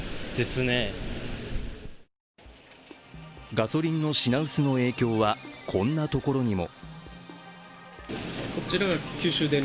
ガソリンの品薄の影響はこんなところにも。